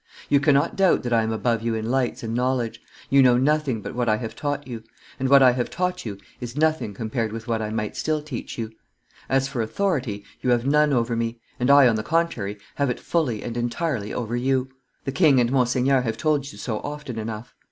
You cannot doubt that I am above you in lights and knowledge. You know nothing but what I have taught you; and what I have taught you is nothing compared with what I might still teach you. As for authority, you have none over me; and I, on the contrary, have it fully and entirely over you; the king and Monseigneur have told you so often enough.